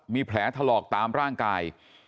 มีแผลถลอกตามร่างกาย